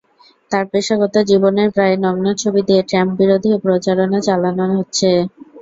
তাঁর পেশাগত জীবনের প্রায় নগ্ন ছবি দিয়ে ট্রাম্প-বিরোধী প্রচারণা চালানো হচ্ছে।